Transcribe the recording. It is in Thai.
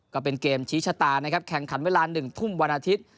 ก็เป็นเกมชี้ชะตานะครับแข่งขันเวลา๑ทุ่มวันอาทิตย์